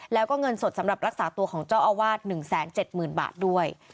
แล้วก็เงินสดสำหรับรักษาตัวของเจ้าอาวาสหนึ่งแสนเจ็ดหมื่นบาทด้วย